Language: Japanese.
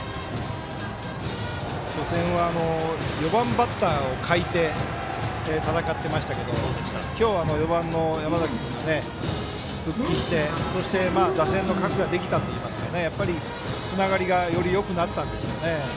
４番バッターを欠いて戦ってましたけど今日は４番の山崎君が復帰してそして打線の核ができたといいますかつながりがよくよくなったんでしょうね。